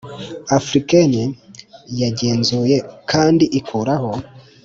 Africaines yagenzuye kandi ikuraho